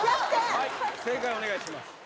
はい正解お願いします